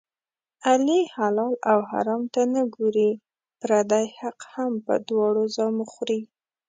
علي حلال او حرام ته نه ګوري، پردی حق هم په دواړو زامو خوري.